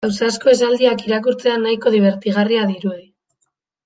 Ausazko esaldiak irakurtzea nahiko dibertigarria dirudi.